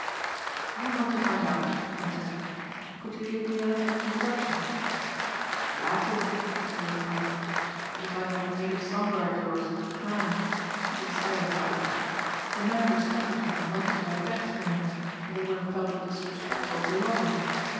"I want to find out," Trent said, "could you give me a letter of introduction?" "Glad to," Edgell replied, "but he's like that native song bird of yours, the clam. He is a silent fighter. The men respected him and went to their deaths for him but they would have felt it disrespectful to love him.